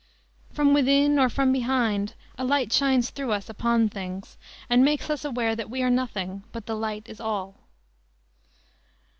"From within or from behind a light shines through us upon things, and makes us aware that we are nothing, but the light is all."